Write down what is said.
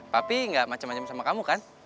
tapi nggak macam macam sama kamu kan